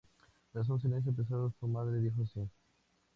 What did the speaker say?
Tras un silencio pesado, su madre dijo: “Sí.